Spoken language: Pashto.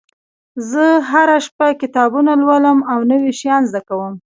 زه هره شپه کتابونه لولم او نوي شیان زده کوم